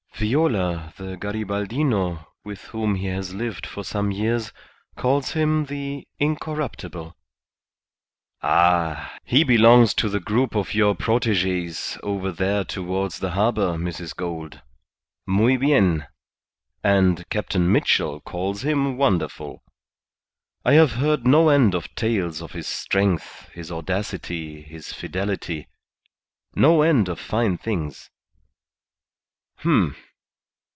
"Viola, the Garibaldino, with whom he has lived for some years, calls him the Incorruptible." "Ah! he belongs to the group of your proteges out there towards the harbour, Mrs. Gould. Muy bien. And Captain Mitchell calls him wonderful. I have heard no end of tales of his strength, his audacity, his fidelity. No end of fine things. H'm!